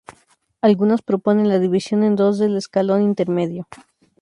Algunas proponen la división en dos del escalón intermedio.